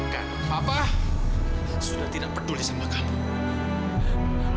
karena papa sudah tidak peduli sama kamu